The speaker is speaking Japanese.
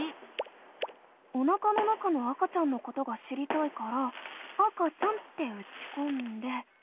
おなかの中の赤ちゃんのことが知りたいから「赤ちゃん」ってうちこんで。